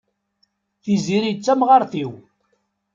Tiziri d tamɣart-iw.